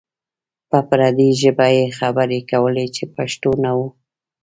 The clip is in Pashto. په پردۍ ژبه یې خبرې کولې چې پښتو نه وه.